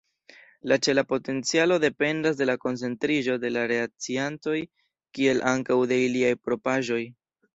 La ĉela potencialo dependas de koncentriĝo de la reakciantoj, kiel ankaŭ de iliaj propraĵoj.